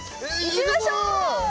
行きましょう！